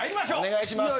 お願いします。